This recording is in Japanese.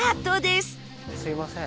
すみません。